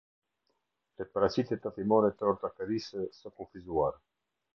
Fletëparaqitjet tatimore të Ortakërisë së Kufizuar.